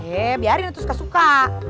eh biarin itu suka suka